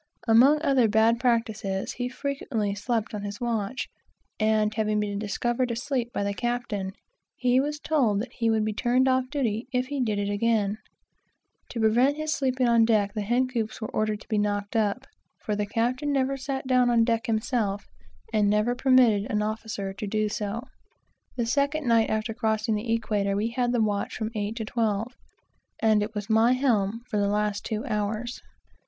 Among other bad practices, he frequently slept on his watch, and having been discovered asleep by the captain, he was told that he would be turned off duty if he did it again. To prevent it in every way possible, the hen coops were ordered to be knocked up, for the captain never sat down on deck himself, and never permitted an officer to do so. The second night after crossing the equator, we had the watch from eight till twelve, and it was "my helm" for the last two hours.